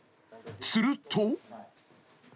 ［すると］